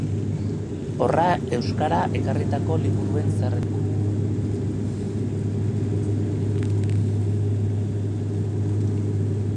Horra euskarara ekarritako liburuen zerrenda.